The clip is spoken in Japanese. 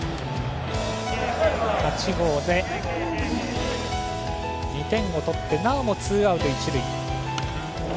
８号で、２点を取ってなおもツーアウト一塁。